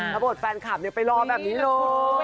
แล้วบทแฟนคลับเนี่ยไปรอแบบนี้เลย